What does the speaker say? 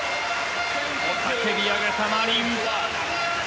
雄たけびを上げたマリン。